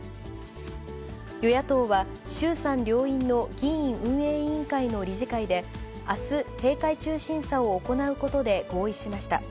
与野党は、衆参両院の議院運営委員会の理事会で、あす、閉会中審査を行うことで合意しました。